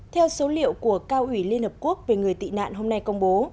theo số liệu của cao ủy liên hợp quốc về người tị nạn hôm nay công bố